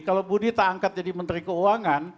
kalau budi tak angkat jadi menteri keuangan